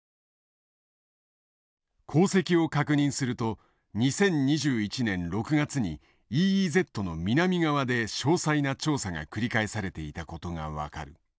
航跡を確認すると２０２１年６月にＥＥＺの南側で詳細な調査が繰り返されていたことが分かる。